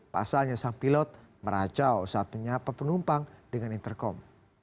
pasalnya sang pilot meracau saat menyapa penumpang dengan intercom